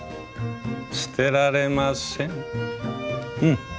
捨てられません。